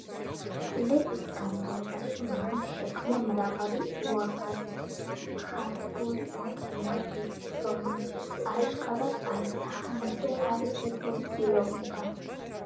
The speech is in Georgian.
წლების განმავლობაში მან შექმნა მრავალი უაღრესად მხატვრული ნაწარმოები, რომელშიც აშკარად აისახა მისი თავისებური პიროვნება.